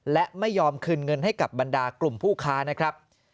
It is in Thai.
และไม่ยอมคืนเงินให้กับบรรดากลุ่มผู้ค้านะครับ